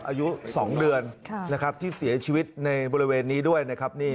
อายุ๒เดือนนะครับที่เสียชีวิตในบริเวณนี้ด้วยนะครับ